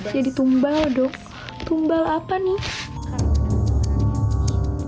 jadi tumbal dong tumbal apa nih